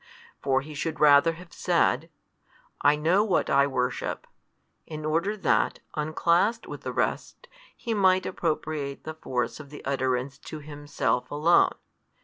for He should rather have said, I know what I worship, in order that, unclassed with the rest, He might appropriate the force of the utterance to Himself alone.